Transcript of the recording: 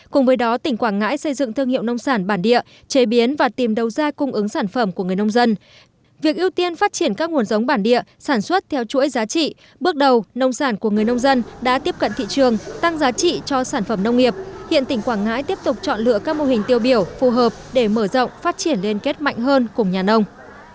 các mô hình tiêu biểu phù hợp để mở rộng phát triển liên kết mạnh hơn cùng nhà nông